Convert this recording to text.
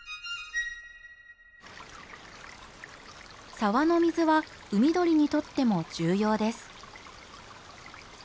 沢の水は海鳥にとっても重要です。